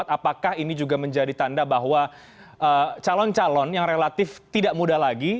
apakah ini juga menjadi tanda bahwa calon calon yang relatif tidak muda lagi